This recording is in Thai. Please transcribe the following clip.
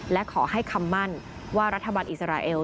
และขอให้คำมั่นว่ารัฐบาลอิสราเอล